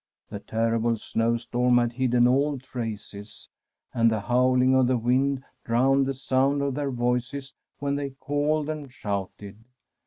The terrible snowstorm had hidden all traces, and the howling of the wind drowned the sound of their voices when they called and shouted.